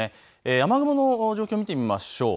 雨雲の状況、見てみましょう。